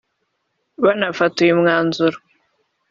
banafata uyu mwanzuro